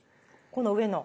この上の？